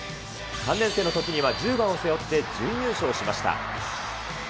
３年生のときには１０番を背負って準優勝しました。